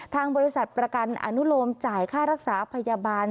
ทางบริษัทประกันอนุโลมจ่ายค่ารักษาพยาบาล